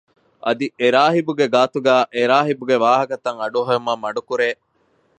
އަދި އެރާހިބުގެ ގާތުގައި އެރާހިބުގެ ވާހަކަތައް އަޑުއެހުމަށް މަޑުކުރޭ